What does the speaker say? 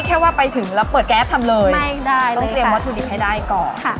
แค่ว่าไปถึงแล้วเปิดแก๊สทำเลยไม่ได้ต้องเตรียมวัตถุดิบให้ได้ก่อน